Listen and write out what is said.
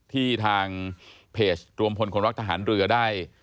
ทางเพจรวมพลคนรักทหารเรือได้